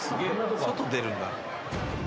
・外出るんだ。